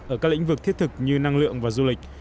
ở các lĩnh vực thiết thực như năng lượng và du lịch